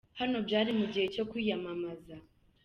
Hano byari mu gihe cyo kwiyamamaza.